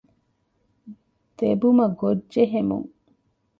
ދެބުމަގޮށް ޖެހެމުން